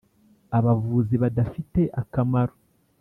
abavūzi badafite akamaro.